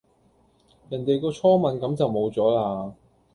人哋個初吻咁就無咗啦